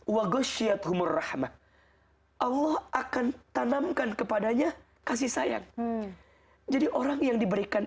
wajah syiat humurrahma allah akan tanamkan kepadanya kasih sayang jadi orang yang diberikan